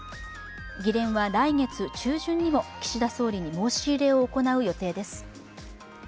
議連は来月中旬にも岸田総理に申し入れを行う予定です。